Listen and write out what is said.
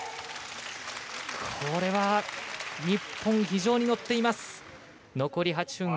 これは日本、非常に乗っています。